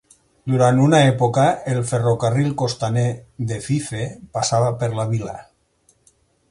Durant una època, el ferrocarril costaner de Fife passava per la vil·la.